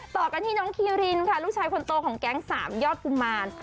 ต่อกันที่น้องคีรินค่ะลูกชายคนโตของแก๊งสามยอดกุมาร